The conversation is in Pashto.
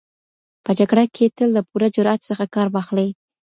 په جګړه کي تل له پوره جرئت څخه کار واخلئ.